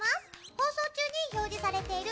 放送中に表示されている